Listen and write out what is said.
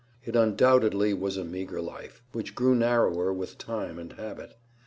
It undoubtedly was a meager life, which grew narrower with time and habit.